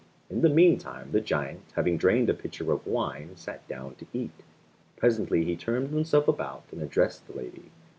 In the meantime the giant, having drained a pitcher of wine, sat down to eat. Presently he turned himself about and addressed the lady.